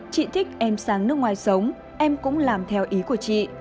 chị thích em sang nước ngoài sống em cũng làm theo ý của chị